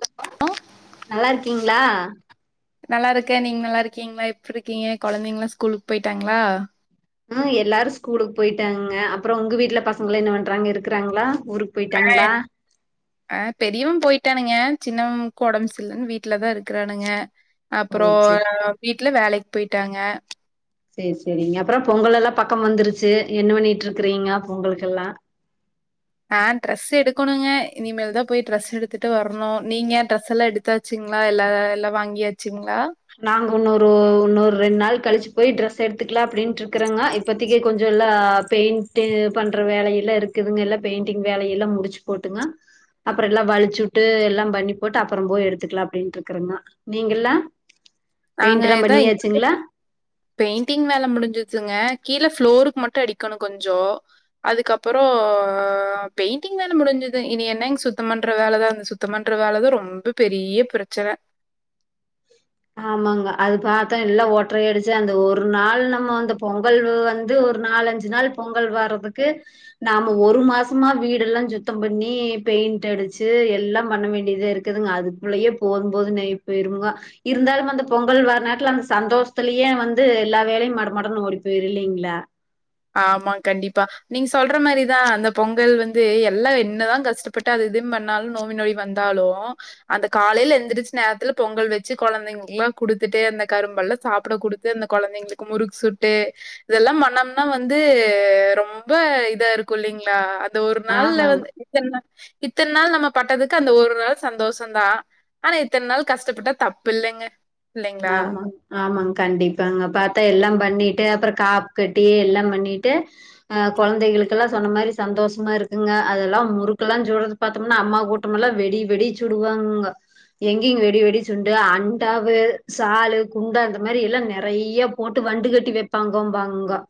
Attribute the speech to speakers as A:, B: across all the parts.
A: [inaudible] அ
B: நல்லார்க்கீங்ளா
A: நல்லாருக்கே நீங் நல்லார்க்கீங்ளா எப்பிட்ருக்கீங்க கொழந்தைங்ளா ஸ்கூலுக் போய்ட்டாங்ளா
B: ஆ எல்லாரு ஸ்கூலுக் போய்ட்டாங்க அப்றோ உங்க வீட்ல பசங்கல்லா என்ன பண்றாங் இருக்கறாங்ளா ஊருக் போய்ட்டாங்ளா
A: ஆ பெரியவ போய்ட்டானுங்க சின்னவ்ம்க் ஒடம் செர்லன் வீட்லதா இருக்கறானுங்க
B: ஓ
A: அப்பறோ
B: சேரி
A: வீட்ல வேலைக் போய்ட்டாங்க
B: சேர் சேரிங்க அப்றோ பொங்கலல்லா பக்கம் வந்துருச்சு என்ன பண்ணிட்ருக்கறீங்க பொங்கலுக்கெல்லா
A: ஆ ட்ரஸ் எடுக்கோணுங்க இனிமேல்தா போய் ட்ரஸ் எடுத்துட்டு வர்ணு நீங்க ட்ரஸ் எல்லா எடுத் தாச்சுங்ளா எல்லா எல்லா வாங்கியாச்சுங்ளா
B: நாங்க உன்னோரு உன்னோர் ரெண் நாள் கழிச்சு போய் ட்ரஸ் எடுத்துக்கலா அப்டின்ட்ருக்கறங்க இப்பத்திக்கி கொஞ்ச எல்லா பெய்ண்ட்டு பண்ற வேலையெல்லா இருக்குதுங்க எல்லா பெய்ண்ட்டிங் வேலையெல்லா முடிச்சு போட்டுங்க அப்றோ எல்லா வழிச்சுட்டு எல்லாம் பண்ணி போட்டு அப்றோ போய் எடுத்துக்கலா அப்டின்ட்ருக்கறங்க நீங்கெல்லா பெய்ண்ட்டெல்லா பண்ணியாச்சுங்ளா
A: பெய்ண்ட்டிங் வேல முடிஞ்சிர்ச்சுங்க கீழ ஃப்ளோருக் மட்டு அடிக்கோணு கொஞ்சோ அதுக்கப்பறோ பெய்ட்ண்டிங் வேல முடுஞ்சுது இனி என்னங் சுத்தம் பண்ற வேலதா இந்த சுத்தம் பண்ற வேலதா ரொம்ப பெரிய பிரச்சன
B: ஆமாங்க அது பாத்தா எல்லா ஒட்ரையடுச்சு அந்த ஒரு நாள் நம்ம அந்த பொங்கல் வ் வந்து ஒரு நாலஞ்சு நாள் பொங்கல் வரதுக்கு நாம ஒரு மாசமா வீடெல்லா சுத்தம் பண்ணி பெயிண்ட்டடுச்சு எல்லாம் பண்ண வேண்டியதாருக் குதுங்க அதுக்குள்ளயே போதும்போதுனாய் போயிரும்ங்க இருந்தாலும் அந்த பொங்கல் வர நேரத்துல அந்த சந்தோசத்திலயே வந்து எல்லா வேலயு மடமடன் ஓடி போய்ரு இல்லீங்ளா
A: ஆமாங் கண்டிப்பா நீங்க சொல்ற மாரிதா அந்த பொங்கல் வந்து எல்லா என்னதா கஷ்ட ப்பட்டாலு இதும் பண்ணாலு நோம்பி நொடி வந்தாலு அந்த காலைல எந்திரிச் நேர்த்துல பொங்கல் வெச்சு கொழந்தைங்களுக்கல்லா குடுத்துட்டு அந்த கரும்பல்லா சாப்ட குடுத் து அந்த கொழந்தைங்களுக்கு முறுக் சுட்டு இதெல்லா பண்ணம் னா வந்து ரொம்ப இதா இருக்கு இல்லீங்ளா அந்த ஒரு நாள்ல
B: ஆமாங்க.
A: வந்து என்ன இத்தன் நாள் நம்ம பட்டதுக்கு அந்த ஒரு நாள் சந்தோசந்தா ஆனா இத்தன் நாள் கஷ்டப்பட்டா தப்பில்லங்க
B: ஆமாங் ஆமாங் கண்டிப்பாங்க பாத்தா எல்லாம் பண்ணீட்டு அப்பறோ காப் கட்டி எல்லாம் பண்ணீட்டு அ கொழந்தைகளுக்கல்லா சொன்ன மாரி சந்தோசமா இருக்குங்க அதெல்லா முறுக்கெல்லா சுடதுக் பாத்தம்னா அம்மா கூட்டமல்லா வெடிய வெடிய சுடுவாங்க எங்கிங்க வெடிய வெடிய சுண்டு அண்டாவ சாலு குண்டா அந்த மாரி எல்லா நெறைய போட்டு வண்டு கட்டி வெப்பாங்கோம்பாங்கோ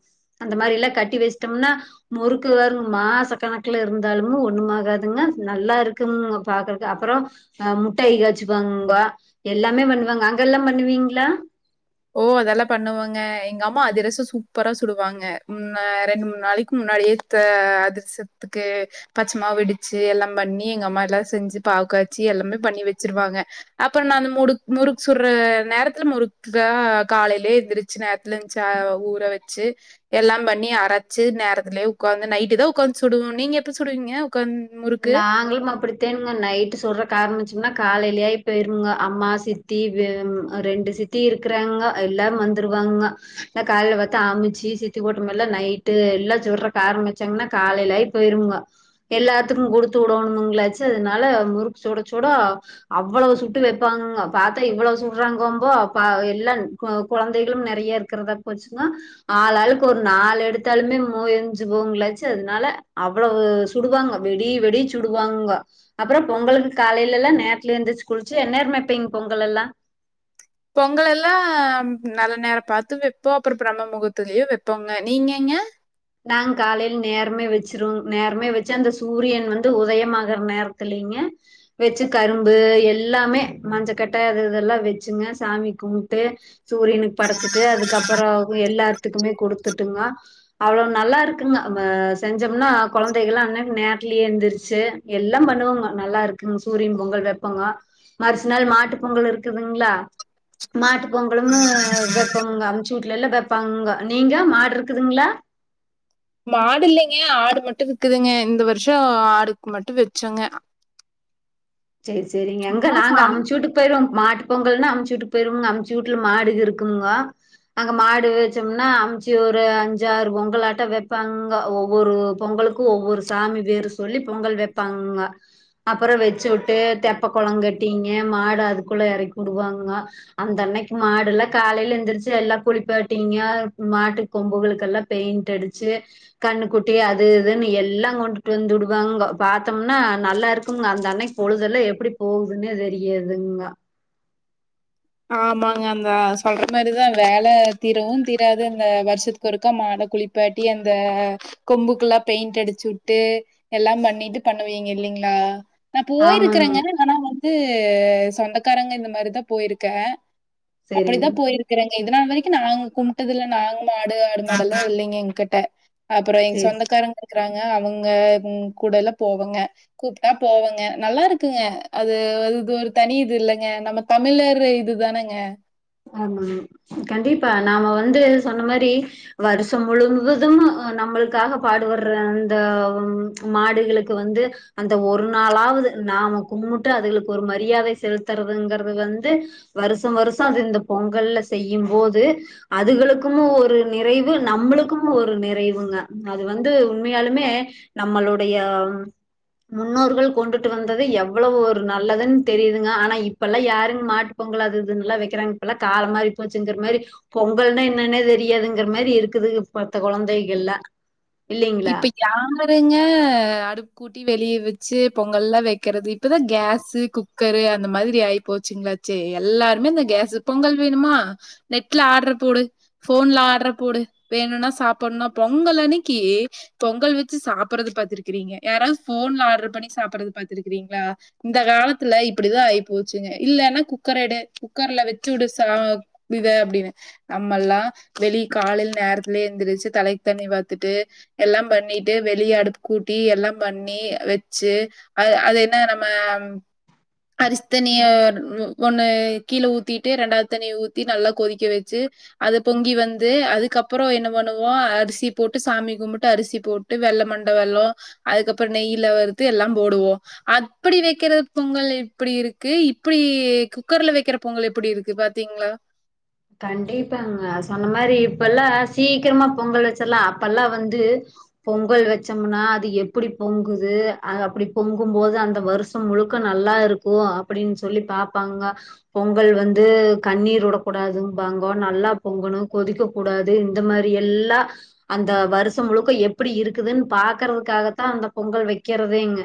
B: அந்த மாரியெல்லா கட்டி வெச்ட்டம்னா முறுக்கு வருங்மாச கணக்குல இருந்தாலுமே ஒண்ணுமாகாதுங்க நல்லா இருக்குமுங்க பாக்குறக்கு அப்றோ அ முட்டாயி காச்சிபாங்கோ எல்லாமே பண்ணுவாங்க அங்கெல்லா பண்ணுவீங்ளா
A: ஓ அதல்லா பண்ணுவங்க எங்க அம்மா அதிரச சூப்பரா சுடுவாங்க ம் ஆ ரெண்டு மூண் நாளைக்கி முன்னாடியே த்தா அதிர்சத்துக்கு பச்சமாவு இடிச்சி எல்லா பண்ணி எங்க அம்மா எல்லா செஞ்சி பாவுக்காச்சி எல்லாமே பண்ணி வெச்சிருவாங்க அப்பறோ நா அந்த முடுக் முறுக்கு சுட்ற நேரத்துல முறுக் காக காலைலே எந்திரிச்சி நேரத்துல எந்ச்ச ஊற வச்சு எல்லா பண்ணி அரச்சு நேரத்துலே உக்காந்து நைட்டு்தா உக்காந்து சுடுவோ நீங்க எப்ப சுடுவீங்க உக்காந் முறுக்
B: நாங்களு அப்டி தென்னுங்க நைட்டு சுட்றக்கு ஆரமிச்சம்னா காலைலியே ஆயிபோயிரும்ங்க அம்மா சித்தி வெ ரெண்டு சித் தி இருக்கிறாங்கோ எல்லாரு வந்துருவாங்க நா காலைல பாத்த அமிச்சு சித்தி போட்டமெல்லா நைட்டு எல்லா சுட்றக்கு ஆரமிச்சாங்கன்னா காலைல போய்ரும்ங்க எல்லாத்துக்கு குடுத்து உடோணுமுங்ளாச்சு அதனால முறுக்கு சுடச் சுட அவ்வளோ சுட்டு வெப்பாங்கங்க பாத்தா இவ்வளோ சுட்றாங்கம்போ பா எல்லா கொ கொழந்தைகளு நெறைய இருக்கிறதா போச்சுங்க ஆளாளுக்கு ஒரு நாலு எடுத்தாலுமே முவெஞ்சு போவுங்களச்சி அதனால அவ்வளவு சுடுவாங்க வெடிய வெடிய சுடுவாங்கோ அப்றோ பொங்கலுக்கு காலைலல்லா நேரத்துல எந்திரிச்சி குளிச்சி என்னேரம் வெப்பிங்க பொங்கலல்லா
A: பொங்கலல்லா நல்ல நேர பாத்து வெப்போ அப்றோ பிரம்ம முகர்த்துலயு வெப்போங்க நீங்கைங்க
B: நாங் காலைல நேரமே வெச்சிருவோங் நேரமே வெச்சு அந்த சூரியன் வந்து உதயமாகற நேரத்திலிங்க வெச்சு கரும்பு எல்லாமே மஞ்சக்கட்ட அது இதுல்லா வெச்சுங்க சாமி கும்ட்டு சூரியனுக்கு படச்சிட்டு அதுக்கப்பறோ எல்லார்த்துக்குமே குடுத்துட்டுங்க அவ்ளோ நல்லா இருக்குங்க ம செஞ்சம்னா கொழந்தைகள்லா அன்னைக்கி நேர்த்துலியே எந்துருச்சு எல்லா பண்ணுவாங்க நல்லா இருக்குங் சூரியன் பொங்கல் வெப்பாங்க மறுசு நாள் மாட்டு பொங்கல் இருக்குதுங்ளா மாட்டு பொங்கலு வைப்போமுங்க அம்ச்சு ஊட்லலா வெப்பாங்கங்க நீங்க மாடு இருக்குதுங்ளா
A: மாடு இல்லிங்க ஆடு மட்டு விக்குதுங்க இந்த வருஷோ ஆடுக்கு மட்டு வெச்சோங்க
B: சேரி சேரிங்க இங்க
A: ஆனா
B: நாங்க
A: சாமி
B: அம்ச்சி வீட்டுக் போயிருவங் மாட்டு பொங்கல்னா அம்ச்சி வீட்டுக் போயிருவங்க அம்ச்சி ஊட்ல மாடு இருக்குமுங்க அங்க மாடு வச்சோம்னா அமுச்சு ஒரு அஞ்சாறு பொங்கல் ஆட்ட வைப்பாங்க ஒவ்வொரு பொங்கலுக் க்கு ஒவ்வொரு சாமி பேரு சொல்லி பொங்கல் வப்பாங்கங்க அப்புறோ வச்சுவுட் ட்டு தெப்பக் கொளங் கட்டிங்க மாடு அதுக்குள்ள எறக்குடுவாங்க அந்த அன்னக்கி மாடு எல்லா காலையில எந்திரிச்சு எல்லா குளிப்பாட்டீங்க மாட்டுக் கொம்புகளுக்கெல்லா பெயிண்ட் அடிச்சு கன்னு குட்டி அது இதுன்னு எல்லா கொண்டுட்டு வந்து விடுவாங்க பாத்தோம்னா நல்லா இருக்குங்க அந்த அன்னைக் பொழுதெல்லா எப்டி போவுதுன்னே தெரியாதுங்க
A: ஆமாங்க அந்த சொல்ற மாரிதா வேல தீரவு தீராது அந்த வர்ஷத் ஒருக்க மாட குளிப்பாட்டி அந்த கொம்புக்குல்லா பெயிண்ட் அடிச்சுவுட்டு எல்லா பண்ணிட்டு பண்ணுவீங்க இல்லைங்களா நா
B: ஆமாங்க
A: போயிருக்கிறேங்க ஆனா வந்து சொந்தக்காரங்க இந்த மாரிதா போயிருக்கே
B: செரிங்க
A: அப்பிடிதா போயிருக் கிறேங்க இது நாள் வரைக்கு நாங்க கும்ட்டதுல்ல நாங்க மாடு ஆடு மாடு எல்லா இல்லீங்க எங்க்கிட்ட அப்பறோ எங்க
B: சேரி
A: சொந்தக்காரங்க இருக்குறாங்க அவுங்க இவுங் கூடல்லா போவங்க கூப்ட்டா போவங்க நல்லா இருக்குங்க அது அது இது ஒரு தனி இது இல்லங்க நம்ம தமிழர் இருக்குற இது தானங்க
B: ஆமா கண்டிப்பா நாம வந்து சொன்ன மாரி வருஷோ முழுவதும் நம்மளுக்காக பாடுபட்ற அந்த மாடுகளுக்கு வந்து அந்த ஒரு நாளாவது நாம கும்முட்டு அதுகளுக்கு ஒரு மரியாதை செலுத்துறதுங்கறது வந்து வருஷோ வருஷோ அது இந்த பொங்கல்ல செய்யும்போது அதுகளுக்குமு ஒரு நிறைவு நம்மளுக்குமு ஒரு நிறைவுங்க அது வந்து உண்மையாலுமே நம்மளுடைய முன்னோர்கள் கொண்டுட்டு வந்தது எவ்வளவு ஒரு நல்லதுன் தெரியுதுங்க ஆனா இப்பெல்லா யாருங்க மாட்டு பொங்கல் அது இதுன்ல்லா வக்கிறாங்க இப்பல்லா காலோ மாரிப் போச்சுங்கிற மாரி பொங்கல்னா என்னான்னே தெரியாதுங்கிற மாரி இருக்குதுக இப்பத்த கொழந்தைகள்லா இல்லீங்களா
A: யாவருங்க அடுக்கு கூட்டி வெளிய வச்சு பொங்கல்லா வெக்கிறது இப்பதா கேஸு குக்கரு அந்த மாரி ஆயி போச்சுங்களா சே எல்லாருமே இந்த கேஸு பொங்கல் வேணுமா நெட்ல ஆட்ர போடு ஃபோன்ல ஆட்ர போடு வேணுனா சாப்பனுனா பொங்கல் அன்னக்கி பொங்கல் வச்சு சாப்புட்றது பாத்துருக்கிறீங்க யாராவது ஃபோன்ல ஆட்ரு பண்ணி சாப்புட்றது பாத்துருக்கிறீங்களா இந்த காலத்துல இப்பிடிதா ஆயிப்போச்சுங்க இல்லனா குக்கர எடு குக்கர்ல வச்சு விடு சா ப்டுவ அப்டினு நம்மல்லா வெளிக் காலேல நேரத்துலயே எந்துருச்சு தலைக்கு தண்ணி பாத்துட்டு எல்லாம் பண்ணிட்டு வெளிய அடுப்பு கூட்டி எல்லா பண்ணி வச்சு அது அது என்ன நம்ம அரிசி தண்ணிய ஒண்ணு கீழ ஊத்திட்டு ரெண்டாவது தண்ணிய ஊத்தி நல்லா கொதிக்க வச்சு அது பொங்கி வந்து அதுக்கப்பறோ என்ன பண்ணுவோ அரிசி போட்டு சாமி கும்புட் டு அரிசி போட்டு வெல்லோ மண்ட வெல்லோ அதுக்கப்பறோ நெய்யில வறுத்து எல்லா போடுவோ அப்பிடி வக்கிற பொங்கல் எப்புடி இருக்கு இப்பிடி குக்கர்ல வக்கிற பொங்கல் எப்பிடி இருக்கு பாத்தீங்களா
B: கண்டிப்பாங்க சொன்ன மாரி இப்பல்லா சீக்கிரமா பொங்கல் வச்சர்லா அப்பல்லா வந்து பொங்கல் வச்சமுனா அது எப்பிடி பொங்குது அது அப்பிடி பொங்கும்போது அந்த வரு ஷம் முழுக்க நல்லா இருக்கு அப்பிடின்னு சொல்லி பாப்பாங்கங்க பொங்கல் வந்து கண்ணீர் ஓட கூடாதும்பாங்கோ நல்லா பொங்கணு கொதிக்க கூடாது இந்த மாரி எல்லா அந்த வருஷம் முழுக்க எப்பிடி இருக்குதுன் பாக்கறதுக்காகத்தா அந்த பொங்கல் வக்கிறதேங்க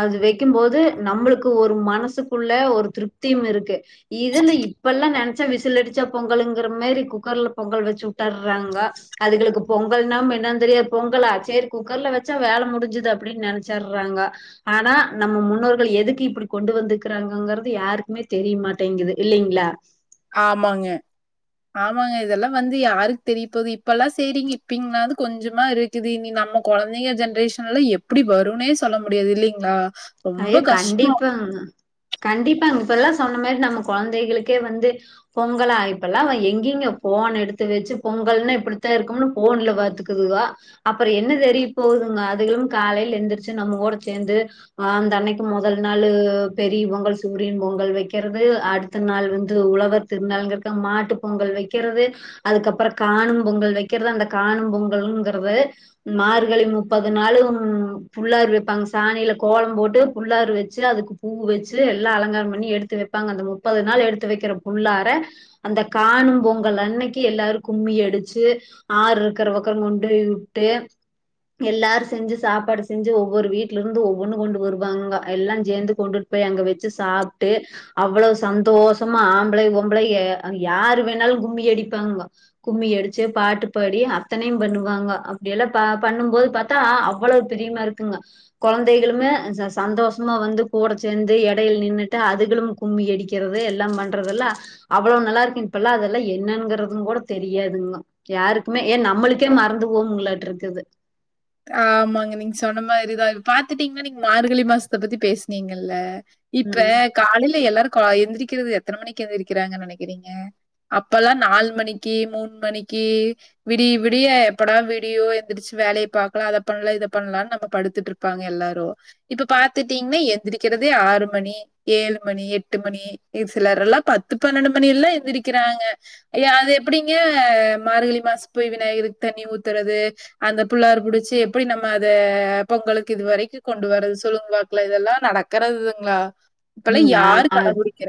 B: அது வைக்கும்போது நம்மளுக்கு ஒரு மனசுக்குள்ள ஒரு திருப்தியும் இருக்கு இதுல இப்பல்லா நெனச்சா விஷ் விசில் அடுச்சா பொங்கலுங்கிற மாரி குக்கர்ல பொங்கல் வச்சு விட்டற்றாங்க அதுகளுக்கு பொங்கல்னாம் என்னான் தெரியாது பொங்கலா சேரி குக்கர்ல வச்சா வேல முடுஞ்சது அப்பிடின் நெனச்சற்றாங்க ஆனா நம்ம முன்னோர்கள் எதுக்கு இப்பிடி கொண்டு வந்துக்குறாங்கங்கறது யாருக்குமே தெரியமாட்டேங்குது இல்லேங்களா
A: ஆமாங்க ஆமாங்க இதெல்லா வந்து யாருக்கு தெரிய போகுது இப்பல்லா செய்ரிங்க இப்பிங்ளாவது கொஞ்சமா இரு க்குது நீ நம்ம கொழந்தைங்க ஜென்ரேஷன்ல எப்பிடி வருனே சொல்ல முடியாது இல்லீங்களா
B: ஐயோ கண்டிப்பாங்க கண்டிப்பாங்க இப்பல்லா சொன்ன மாரி நம்ம கொழந்தைகளுக்கே வந்து பொங்கலா இப்பல்லா அவ எங்கிங்க போன எடுத்து வச்சு பொங்கல்னு இப்டித்தான் இருக்கும்னு போன்ல பாத்துக் துவா அப்புறம் என்ன தெரிய போகுதுங்க அதுகளும் காலையில எழுந்திரிச்சு நம்ம கூட சேந்து ஆந்தன்னைக்கு முதல் நாளு பெரிய பொங்கல் சூரியன் பொங்கல் வெக்கிறது அடுத்த நாள் வந்து உழவர் திருநாள்ங்கக்கா மாட்டு பொங்கல் வெக்கிறது அதுக்கப்புறம் காணும் பொங்கல் வெக்கிறது அந்த காணும் பொங்கலுங்கிறது மார்கழி முப்பது நாளும் புள்ளார் வெப்பாங்க சாணியில கோலம் போட்டு புள்ளாறு வெச்சு அதுக்கு பூ வச்சு எல்லா அலங்காரம் பண்ணி எடுத்து வெப்பாங்க அந்த மு ப்பது நாள் எடுத்து வெக்கிற புள்ளார அந்த காணும் பொங்கல் அன்னைக்கு எல்லாரு கும்மி அடிச்சு ஆறு இருக்கற பக்கரம் கொண்டு போய் வுட்டு எல்லாரு செஞ்சு சாப்பாடு செஞ்சு ஒவ்வொரு வீட்லிந்து ஒண்ணு கொண்டு வருவாங்க எல்லா ஜேர்ந்து கொண்டுட்டு போய் அங்க வெச்சு சாப்ட்டு அவ்வளவு சந்தோஷமா ஆம்பளையு பொம்பளையு எ யாரு வேணாலு கும்பி அடிப்பாங்க கும்மி அடிச்சு பாட்டு பாடி அத்தனையு பண்ணுவாங்க அப்டியெல்லா பா பண்ணும்போது பாத் தா அவ்வளவு பிரியமா இருக்குங்க கொழந்தைகளுமே ச சந்தோஷமா வந்து கூட சேந்து எடையில் நின்னுட்டு அதுகளும் கும்பி அடிக்கும் வெக்கிறது எல்லாம் பண்றதெல்லா அவ்வளோ நல்லா இருக்கு இப்பெல்லா அதெல்லா என்னங்கிறதுங் கூட தெரியாதுங்கோ யாருக்குமே ஏ நம்மளுக்கே மறந்து போவுங்களாட்டு இருக்குது
A: ஆமாங்க நீங்க சொன்ன மாதிரிதா இத் பாத்துட்டீங்கன்னா நீங்க மார்கழி மாசத்த பத்தி பேசனீங்கல்ல இப்ப
B: உம்
A: காலையில எல்லாரு எழுந்திரிக்கிறது எத்தன மணிக்கு எழுந்திரிக்கிறாங்கன்னு நெனைக்கிறீங்க அப்பல்லா நால் மணிக்கி மூண் மணிக்கி விடிய விடிய எப்படா விடியோ எந்திரிச்சு வேலைய பாக் அப்பலா பண்ணலா இத பண்ணலாம்ன்னு நம்ம படுத்துட்டு இருப்பாங்க எல்லாரு இப்ப பாத்துட்டீங்னா எந்திரிக்கறதே ஆறு மணி ஏழு மணி எட்டு மணி எ சிலர்ரல்லா பத்து பன்னெண்டு மணியெல்லா எந்திரக்கிறாங்க ஏ அது எப்டிங்க மார்கழி மாசோ போய் விநாயகருக்கு தண்ணி ஊத்தறது அந்த புள்ளார் புடிச்சி எப்டி நம்ம அத பொங்கலக்கு இது வரைக்கு கொண்டு வரது சொல்லுங் பாக்கலா இதெல்லா நடக்கறதுங்ளா இப்பல்லா யாரு கட புடிக்கிற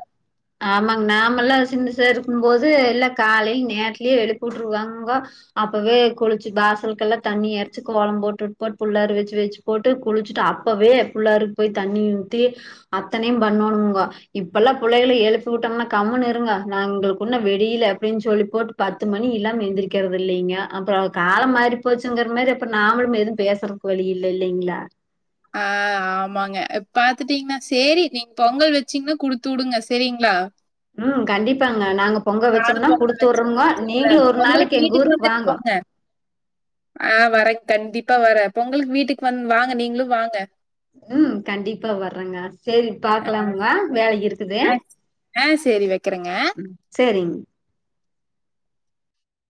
B: ஆமாங் நாமல்லா சின்ன சா இருக்கும் போது எல்லா காலையில் நேர்த்திலே எழுப்புட்டுருவாங்கோ அப்பவே குளிச்சு வாசல்கெல்லா தண்ணி எறச்சி கோலம் போட்டு வுட்டு போட் புள்ளாறு வெச்சு வெச்சு போட்டு குளிச்சுட்டு அப்பவே புல்லாருக்கு போய் தண்ணி ஊத்தி அத்தனையு பண்ணோணுங்கோ இப்பல்லா புள்ளைகள எழுப்பி விட்டங்கன்னா கம்ன்னு இருங்க நாங்களுக்குன்னு விடியல அப்டின் சொல்லி போட் பத்து மணி இல்லாம் எந்திரிக்கிறது இல்லைங்க அப்புறம் காலம் மாறி போச்சுங்கிற மாதிரி அப்ப நாமளு எதுவும் பேசற வழியில்ல இல்லைங்ளா
A: ஆ ஆமாங்க பாத்துட்டீங்கன்னா சேரி நீங்க பொங்கல் வெச்சீங்ன்னா குடுத்து வுடுங்க செரிங்ளா
B: ம் கண்டிப்பாங்க நாங்க பொங்க வெச்சம்னா
A: பொங்கல்
B: குடுத்து
A: வச்சு
B: விற்றமுங்கோ
A: குடுத்து
B: நீங்களு
A: விடுறேன்.
B: ஒரு நாளைக்கு
A: பொங்கலுக்கு
B: எங்
A: வீட்டுக்கு
B: ஊருக்கு
A: வந்துட்டு
B: வாங்கோ
A: போங்க. ஆ வரங்க கண்டிப்பா வர பொங்கலுக்கு வீட்டுக்கு வந் வாங்க நீங்ளு வாங்க
B: ம் கண்டிப்பா வர்றங்க செரி பாக்லாமுங்க வேலை இருக் குது
A: ஆ ஆ சரி வைக்கிறேங்க.
B: செரிங்